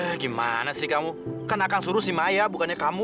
eh gimana sih kamu kan akan suruh sih maya bukannya kamu